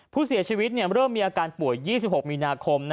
ผู้เสียชีวิตเริ่มมีอาการป่วย๒๖มีนาคม